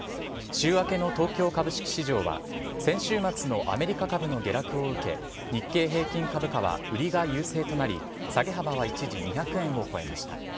週明けの東京株式市場は、先週末のアメリカ株の下落を受け、日経平均株価は売りが優勢となり、下げ幅は一時２００円を超えました。